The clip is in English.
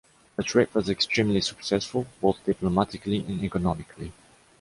The trip was extremely successful, both diplomatically and economically.